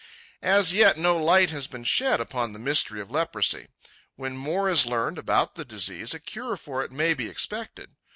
As yet no light has been shed upon the mystery of leprosy. When more is learned about the disease, a cure for it may be expected.